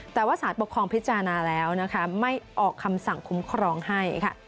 แต่ว่าสารปกครองพิจารณาแล้วนะคะไม่ออกคำสั่งคุ้มครองให้ค่ะ